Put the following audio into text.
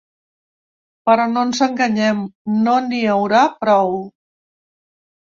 Però, no ens enganyem, no n’hi haurà prou.